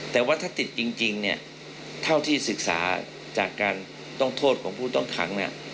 แต่ว่าถ้าติดจริงเนี่ยเท่าที่ศึกษาจากการต้องโทษของผู้ต้องขังเนี่ย